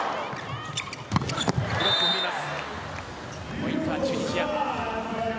ポイントはチュニジア。